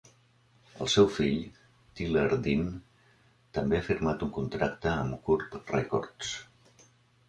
El seu fill, Tyler Dean, també ha firmat un contracte amb Curb Records.